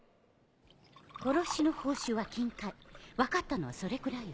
殺しの報酬は金塊分かったのはそれぐらいよ。